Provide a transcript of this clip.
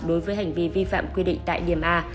đối với hành vi vi phạm quy định tại điểm a